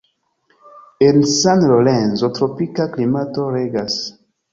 En San Lorenzo tropika klimato regas.